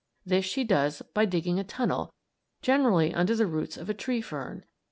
This she does by digging a tunnel, generally under the roots of a tree fern.